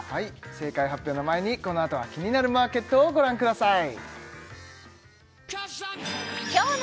正解発表の前にこのあとはキニナルマーケットをご覧ください